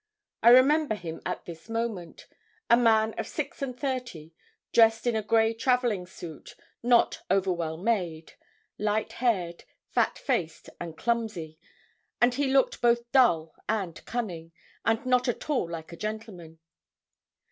I remember him at this moment a man of six and thirty dressed in a grey travelling suit, not over well made; light haired, fat faced, and clumsy; and he looked both dull and cunning, and not at all like a gentleman.